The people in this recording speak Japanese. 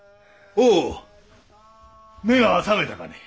おう目が覚めたかね？